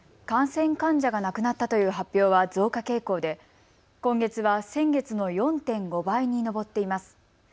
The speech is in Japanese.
感染患者が亡くなったという発表は増加傾向で今月は先月の４．５倍に上っています。